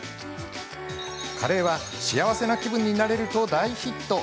カレーは幸せな気分になれると大ヒット。